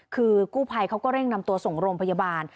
คือกู้ภัยเขาก็เร่งนำตัวส่งโรงพยาบาล